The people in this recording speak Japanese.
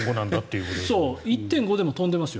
１．５でも飛んでますよ。